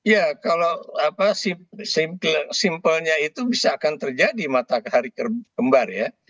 ya kalau simpelnya itu bisa akan terjadi matahari kembar ya